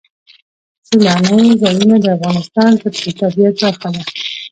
سیلانی ځایونه د افغانستان د طبیعت برخه ده.